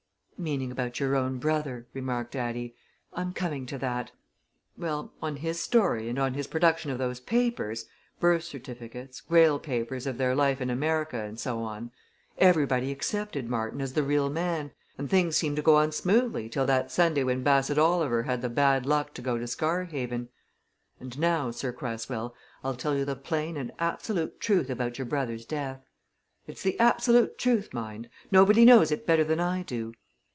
"Meaning about your own brother," remarked Addie. "I'm coming to that. Well, on his story and on his production of those papers birth certificates, Greyle papers of their life in America and so on everybody accepted Martin as the real man, and things seemed to go on smoothly till that Sunday when Bassett Oliver had the bad luck to go to Scarhaven. And now, Sir Cresswell, I'll tell you the plain and absolute truth about your brother's death! It's the absolute truth, mind nobody knows it better than I do.